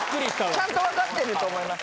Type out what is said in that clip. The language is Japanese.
ちゃんと分かってると思います。